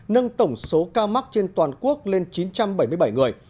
nâng tổng số ca mắc trên toàn quốc lên chín trăm bảy mươi bảy người